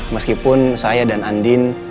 meskipun saya dan andin